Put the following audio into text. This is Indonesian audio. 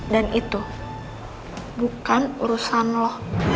dan itu bukan urusan lo